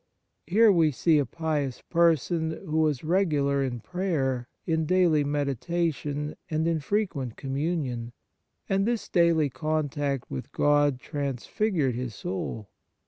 Here we see a pious person who was regular in prayer, in daily meditation and in frequent Communion, and this daily contact with God transfigured his soul.